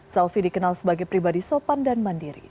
selvi dikenal sebagai pribadi sopan dan mandiri